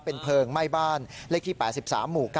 เป็นเพลิงไหม้บ้านเลขที่๘๓หมู่๙